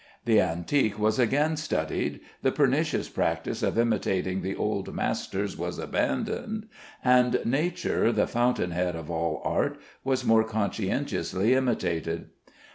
The antique was again studied, the pernicious practice of imitating the old masters was abandoned, and Nature, the fountainhead of all art, was more conscientiously imitated.